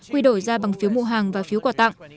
quy đổi ra bằng phiếu mua hàng và phiếu quà tặng